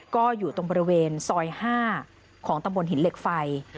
ก็อยู่ตรงบริเวณซอย๕ของตำบลหินเหล็กไฟ